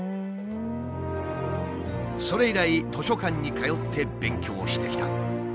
それ以来図書館に通って勉強してきた。